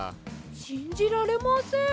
しんじられません。